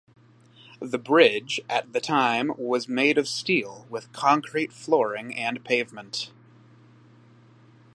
The bridge at the time was made of steel with concrete flooring and pavement.